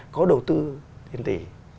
có đầu tư tiền tỷ